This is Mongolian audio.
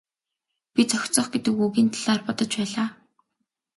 Би зохицох гэдэг үгийн талаар бодож байлаа.